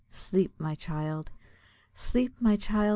Sleep, my child! Sleep, my child!